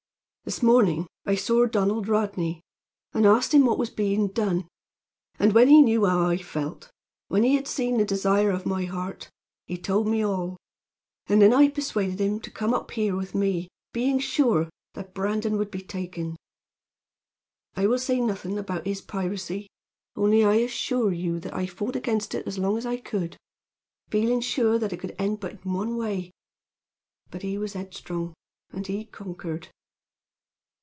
This morning I saw Donald Rodney, and asked him what was being done; and when he knew how I felt when he had seen the desire of my heart he told me all; and then I persuaded him to come up here with me, being sure that Brandon would be taken. "I will say nothing about his piracy, only I assure you that I fought against it as long as I could, feeling sure that it could end but in one way. But he was headstrong, and he conquered.